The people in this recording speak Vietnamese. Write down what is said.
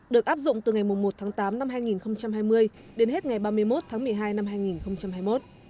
được áp dụng từ ngày một tháng tám năm hai nghìn hai mươi đến hết ngày ba mươi một tháng một mươi hai năm hai nghìn hai mươi một